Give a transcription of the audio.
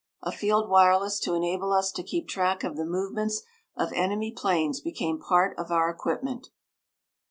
A field wireless to enable us to keep track of the movements of enemy planes became part of our equipment.